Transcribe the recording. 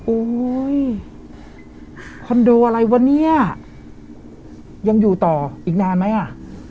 โอ้โหคอนโดอะไรวะเนี่ยยังอยู่ต่ออีกนานไหมอ่ะ